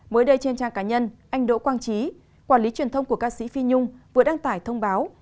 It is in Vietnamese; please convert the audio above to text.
mới đây trên trang cá nhân anh đỗ quang trí quản lý truyền thông của ca sĩ phi nhung vừa đăng tải thông báo